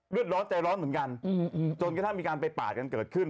เลือดร้อนใจร้อนเหมือนกันจนกระทั่งมีการไปปาดกันเกิดขึ้น